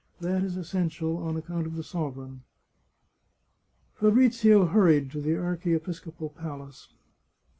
That is essential on account of the sovereign." Fabrizio hurried to the archiepiscopal palace.